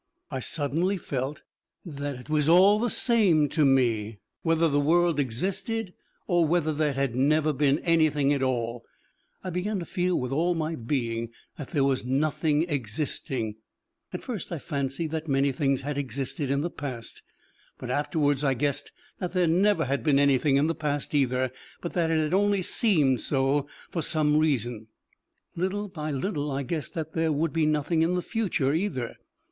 I suddenly felt that it was all the same to me whether the world existed or whether there had never been anything at all: I began to feel with all my being that there was nothing existing. At first I fancied that many things had existed in the past, but afterwards I guessed that there never had been anything in the past either, but that it had only seemed so for some reason. Little by little I guessed that there would be nothing in the future either.